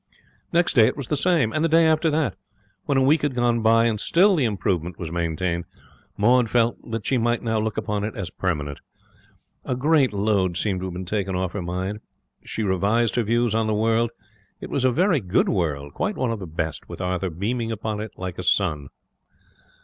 Next day it was the same; and the day after that. When a week had gone by, and still the improvement was maintained, Maud felt that she might now look upon it as permanent. A great load seemed to have been taken off her mind. She revised her views on the world. It was a very good world, quite one of the best, with Arthur beaming upon it like a sun.